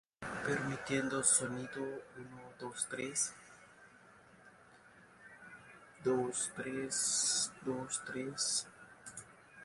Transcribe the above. En adición, ese mismo año, apareció en dos campañas para Karl Lagerfeld.